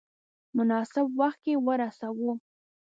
مناسب وخت کې ورساوه.